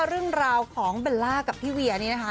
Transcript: เรื่องราวของเบลล่ากับพี่เวียนี่นะคะ